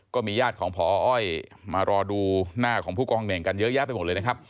ก็มีญาติของพออ้อยมารอดูหน้าของผู้กองเน่งกันเยอะแยะไปหมดเลยนะครับ